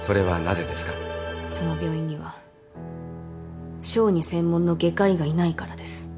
その病院には小児専門の外科医がいないからです。